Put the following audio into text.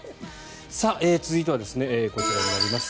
続いてはこちらになります。